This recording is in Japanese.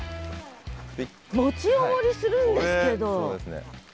もちあまりするんですけど。